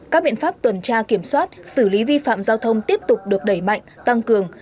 các biện pháp tuần tra kiểm soát xử lý vi phạm giao thông tiếp tục được đẩy mạnh tăng cường